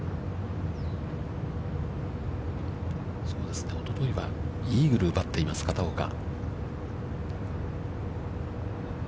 そうですね、おとといはイーグルを奪っています、片岡。